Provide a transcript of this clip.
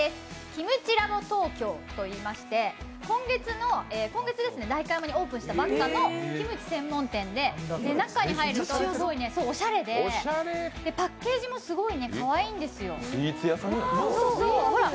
キムチラボトーキョーといいまして、今月、代官山にオープンしたばかりのキムチ専門店で中に入ると、おしゃれで、パッケージもすごいかわいいんですよ、ほら、